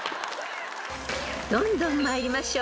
［どんどん参りましょう］